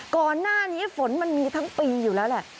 ก่อนหน้านี้ฝนมันมีทั้งปีอยู่แล้วแหละ